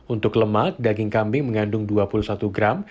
untuk lemak daging kambing mengandung dua puluh satu gram